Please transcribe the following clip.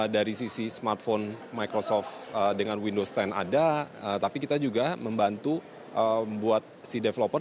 dari sisi smartphone microsoft dengan windows sepuluh ada tapi kita juga membantu buat si developer